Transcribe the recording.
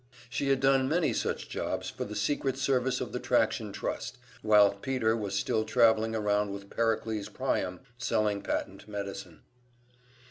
She had done many such jobs for the secret service of the Traction Trust, while Peter was still traveling around with Pericles Priam selling patent medicine.